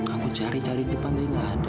aku cari cari di depan dia gak ada